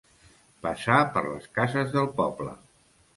Passar per les cases del poble.